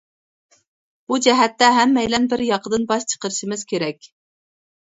بۇ جەھەتتە ھەممەيلەن بىر ياقىدىن باش چىقىرىشىمىز كېرەك.